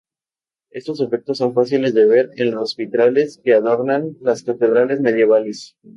Estos efectos son fáciles de ver en los vitrales que adornan las catedrales medievales.